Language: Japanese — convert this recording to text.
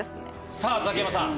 さぁザキヤマさん！